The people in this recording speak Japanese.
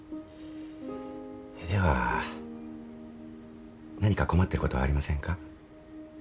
では何か困ってることはありませんか？